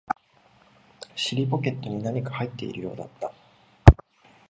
尻ポケットに何か入っているようだった